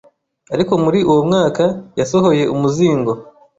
Ariko muri uwo mwaka yasohoye umuzingo